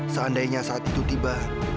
seandainya saat itu tiba